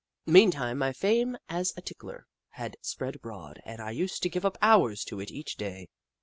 Meantime, my fame as a tickler had spread abroad, and I used to give up hours to it each day.